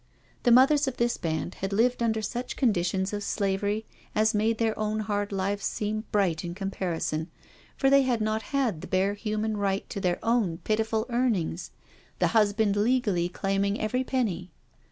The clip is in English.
The mothers of this band had lived under such conditions of slavery as made their own hard lives seem bright in comparison, for they had not had the bare human right to their own pitiful earnings, the husband legally claiming every penny.